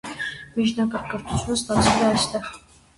Միջնակարգ կրթությունն ստացել է այստեղ։